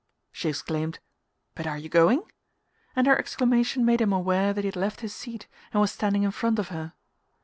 She exclaimed: "But are you going?" and her exclamation made him aware that he had left his seat and was standing in front of her...